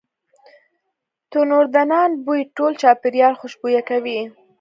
تنوردنان بوی ټول چاپیریال خوشبویه کوي.